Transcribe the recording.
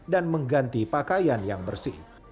dan mengganti pakaian yang bersih